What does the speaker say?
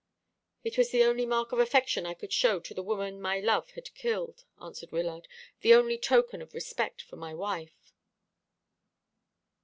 "It was the only mark of affection I could show to the woman my love had killed," answered Wyllard; "the only token of respect for my wife."